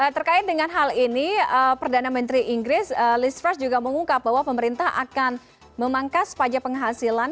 terkait dengan hal ini perdana menteri inggris list franz juga mengungkap bahwa pemerintah akan memangkas pajak penghasilan